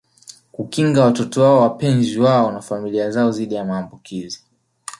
Kukinga watoto wao wapenzi wao na familia zao dhidi ya maambukizi